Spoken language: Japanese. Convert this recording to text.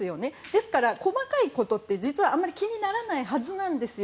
ですから細かいことって、実はあまり気にならないはずなんですよ。